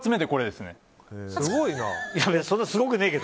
すごいな。